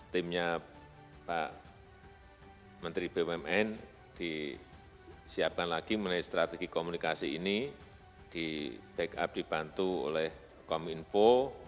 terima kasih ini di backup dibantu oleh kominfo